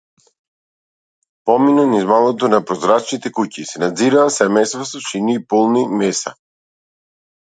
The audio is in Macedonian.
Помина низ маалото на прозрачните куќи, се наѕираа семејства со чинии полни меса.